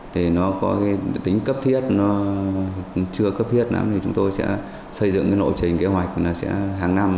để nó có tính cấp thiết nó chưa cấp thiết lắm chúng tôi sẽ xây dựng nội trình kế hoạch hàng năm